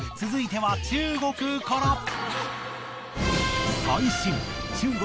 続いては中国から。